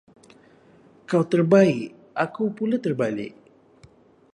Kau terbaik! aku pulak terbalik.